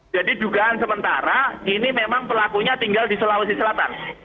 jadi dugaan sementara ini memang pelakunya tinggal di sulawesi selatan